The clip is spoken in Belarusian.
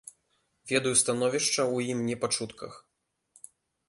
Ведаю становішча ў ім не па чутках.